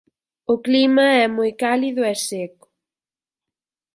O clima é moi cálido e seco.